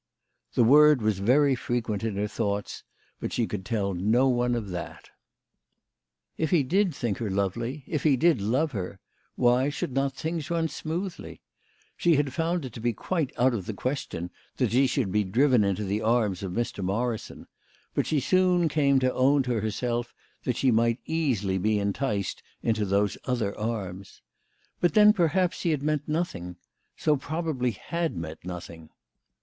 The word was very fre quent in her thoughts, but she could tell no one of that ! If he did think her lovely, if he did love her, why should not things run smoothly ? She had found it to be quite out of the question that she should be driven into the arms of Mr. Morrison, but she soon came to own to herself that she might easily be enticed into those other arms. But then perhaps he had meant nothing so probably had meant nothing